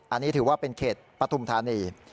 อันนี้ถือว่าเป็นเขตปฐุมธานี